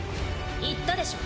言ったでしょ。